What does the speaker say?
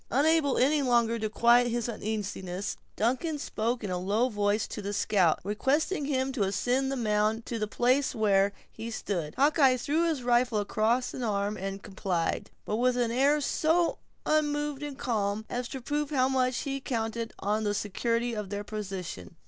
Unable any longer to quiet his uneasiness, Duncan spoke in a low voice to the scout, requesting him to ascend the mound to the place where he stood. Hawkeye threw his rifle across an arm and complied, but with an air so unmoved and calm, as to prove how much he counted on the security of their position.